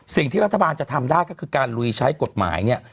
สิ่งที่รัฐบาลจะทำได้ก็คือการลุยใช้กฎหมายเนี่ย